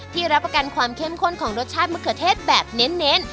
รับประกันความเข้มข้นของรสชาติมะเขือเทศแบบเน้น